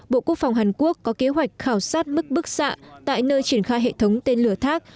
bộ quốc phòng hàn quốc có kế hoạch khảo sát mức bức xạ tại nơi triển khai hệ thống tên lửa thác